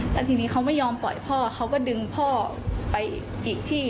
แล้วทีนี้เขาไม่ยอมปล่อยพ่อเขาก็ดึงพ่อไปอีกที่